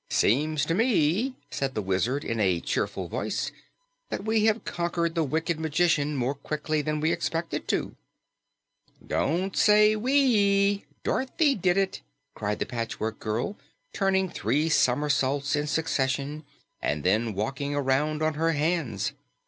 "Seems to me," said the Wizard in a cheerful voice, "that we have conquered the wicked magician more quickly than we expected to." "Don't say 'we.' Dorothy did it!" cried the Patchwork Girl, turning three somersaults in succession and then walking around on her hands.